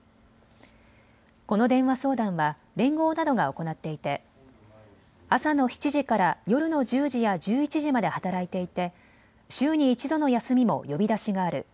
この電話相談は連合などが行っていて朝の７時から夜の１０時や１１時まで働いていて、週に１度の休みも呼び出しがある。